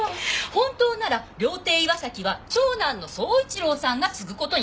本当なら料亭岩崎は長男の宗一郎さんが継ぐ事になっていた。